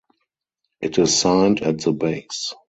It is signed at the base.